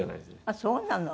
あっそうなの。